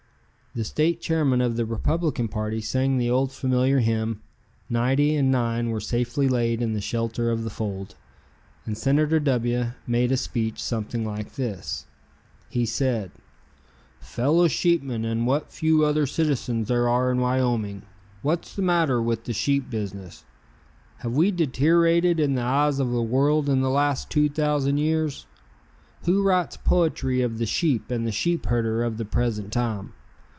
The state chairman of the Republican party sang the old familiar hymn, "Ninety and Nine Were Safely Laid in the Shelter of the Fold," and Senator W made a speech something like this: He said: "Fellow sheepmen and what few other citizens there are in Wyoming: What's the matter with the sheep business? Have we deteriorated in the eyes of the world in the last two thousand years? Who writes poetry of the sheep and sheepherder of the present time?